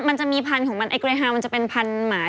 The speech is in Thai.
มันจะมีพันธุ์ของมันไอเกรฮาวมันจะเป็นพันหมา